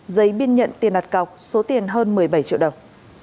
giấy biên nhận tiền đặt cọc số tiền hơn một mươi bảy triệu đồng